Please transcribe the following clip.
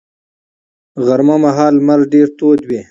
غرمه مهال لمر ډېر تود وي